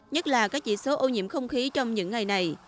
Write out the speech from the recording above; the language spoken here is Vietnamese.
nhất là các chỉ số ô nhiễm không khí trong những ngày này